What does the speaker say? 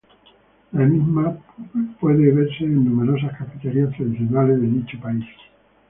La misma puede verse en numerosas cafeterías tradicionales de dicho país.